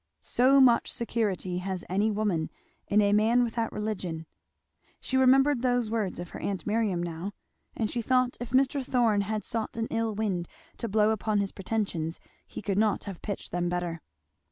"So much security has any woman in a man without religion;" she remembered those words of her aunt Miriam now; and she thought if Mr. Thorn had sought an ill wind to blow upon his pretensions he could not have pitched them better.